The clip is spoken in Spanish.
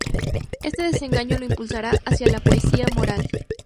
Este desengaño le impulsará hacia la poesía moral.